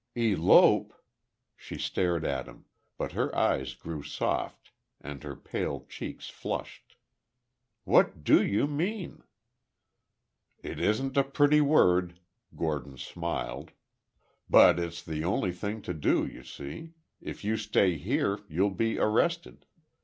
"Elope!" she stared at him, but her eyes grew soft and her pale cheeks flushed. "What do you mean?" "It isn't a pretty word," Gordon smiled, "but it's the only thing to do, you see. If you stay here, you'll be arrested.